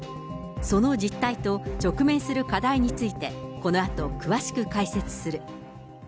その実態と直面する課題について、このあと、詳しく解説する。